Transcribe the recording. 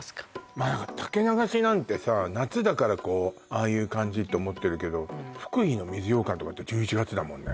まあ竹流しなんてさ夏だからこうああいう感じって思ってるけど福井の水ようかんとかって１１月だもんね